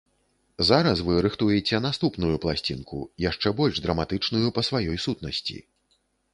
Зараз вы рыхтуеце наступную пласцінку, яшчэ больш драматычную па сваёй сутнасці.